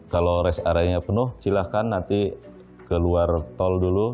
kalau rest area nya penuh silakan nanti keluar tol dulu